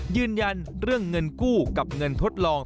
ยืนยันเรื่องเงินกู้กับเงินทดลอง